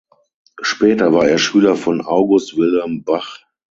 Später war er Schüler von August Wilhelm Bach.